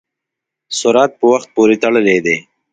سرعت په وخت پورې تړلی دی.